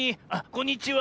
こんにちは。